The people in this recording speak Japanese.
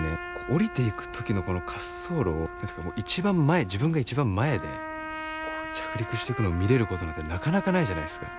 降りていく時のこの滑走路を一番前自分が一番前で着陸してくのを見れることなんてなかなかないじゃないですか。